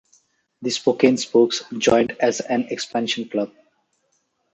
The Spokane Spokes joined as an expansion club.